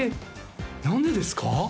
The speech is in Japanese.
何でですか？